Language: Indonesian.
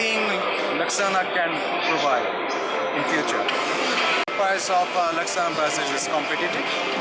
harga bus laksana adalah kompetitif